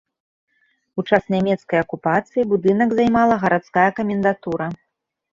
У час нямецкай акупацыі будынак займала гарадская камендатура.